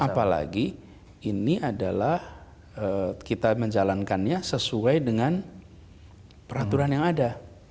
apalagi ini adalah kita menjalankannya sesuai dengan peraturan yang ada